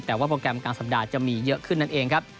แต่ว่าโปรแกรมกลางสัปดาห์จะมีเยอะขึ้นนั่นเองครับ